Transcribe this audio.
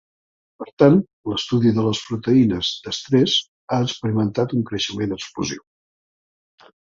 Per tant, l'estudi de les proteïnes d'estrès ha experimentat un creixement explosiu.